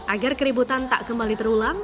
agar keributan tak kembali terulang